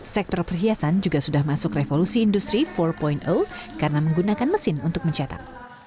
sektor perhiasan juga sudah masuk revolusi industri empat karena menggunakan mesin untuk mencetak